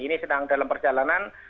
ini sedang dalam perjalanan